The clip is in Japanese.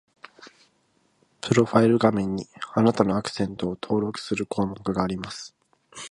プロファイル画面に、あなたのアクセントを登録する項目があります